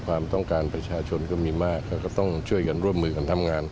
ความต้องการประชาชนก็มีมากแล้วก็ต้องช่วยกันร่วมมือกันทำงาน